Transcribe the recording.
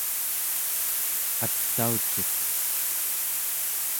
atauciq